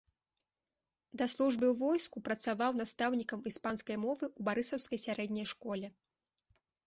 Да службы ў войску працаваў настаўнікам іспанскай мовы ў барысаўскай сярэдняй школе.